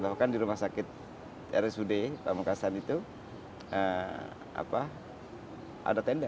bahkan di rumah sakit rsud pamekasan itu ada tenda